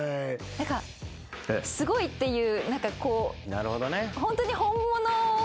何かすごいっていう。